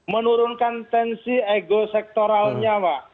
menurunkan tensi ego sektoralnya pak